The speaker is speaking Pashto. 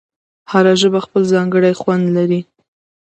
هره ژبه خپل ځانګړی خوند لري.